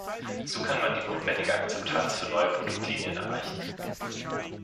So kann man die notwendige Akzeptanz für neue Produktlinien erreichen.